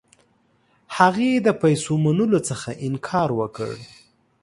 هغې د پیسو منلو څخه انکار وکړ.